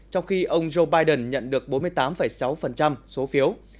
trong khi ông joe biden nhận được bốn mươi tám sáu số phiếu